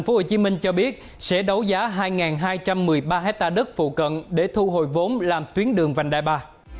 tp hcm cho biết sẽ đấu giá hai hai trăm một mươi ba hectare đất phụ cận để thu hồi vốn làm tuyến đường vành đai ba